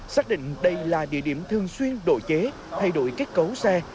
xác định đây là địa điểm thường xuyên độ chế thay đổi kết cấu xe